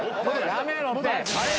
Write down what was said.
やめろって。